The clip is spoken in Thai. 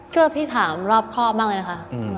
พี่ถามรอบครอบมากเลยนะคะ